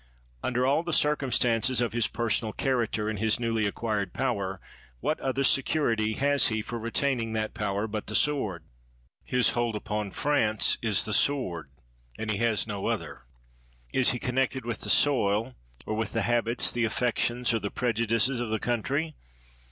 Under all the circumstances of his per sonal character, and his newly acquired power, what other security has he for retaining that power but the sword ? His hold upon France is the sword, and he has no other. Is he connected with the soil, or with the habits, the affections, or the prejudices of the country